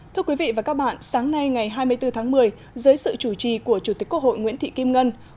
thưa quý vị và các bạn sáng nay ngày hai mươi bốn tháng một mươi dưới sự chủ trì của chủ tịch quốc hội nguyễn thị kim ngân